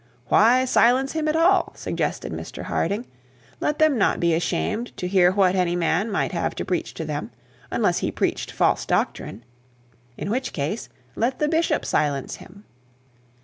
Why silence him at all, suggested Mr Harding. Let them not be ashamed to hear what any man might have to preach to them, unless he preached false doctrine; in which case, let the bishop silence him.